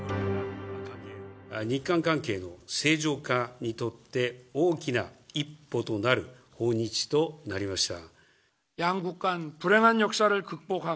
日韓関係の正常化にとって、大きな一歩となる訪日となりました。